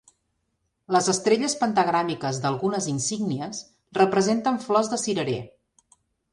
Les estrelles pentagràmiques d'algunes insígnies representen flors de cirerer.